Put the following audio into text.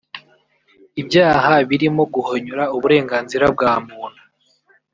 Ibyaha birimo guhonyora uburenganzira bwa muntu